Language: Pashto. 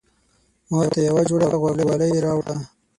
ماته يوه جوړه غوږوالۍ راوړه